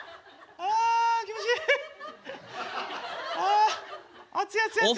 あ熱い熱い熱い。